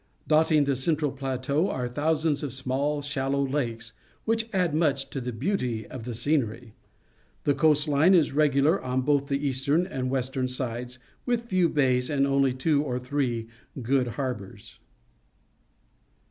Dotting the cen tral plateau are thousands of small, shallow lakes, which add much to the beauty of the scenery. The coast line is regular on both the eastern and western sides, with few bays and only two or three good harbours.